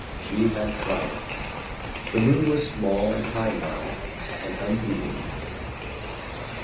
She had triumphed. The moon was small and high now, and unheeding.